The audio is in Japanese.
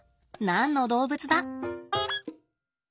何の動物だ？